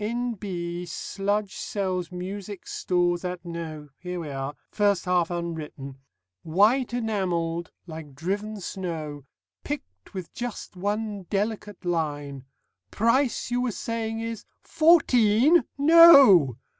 'N.B. Sludge sells music stools at ' No. Here we are (first half unwritten): "'White enamelled, like driven snow, Picked with just one delicate line. Price you were saying is? Fourteen! No!